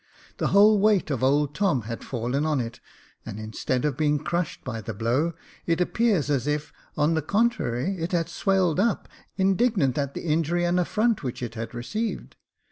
The whole weight of old Tom had fallen on it, and instead of being crushed by the blow, it appeared as if, on the contrary, it had swelled up, indignant at the injury and affront which it had received.